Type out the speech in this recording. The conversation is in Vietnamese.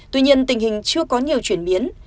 tuy nhiên tình hình chưa có nhiều chuyển biến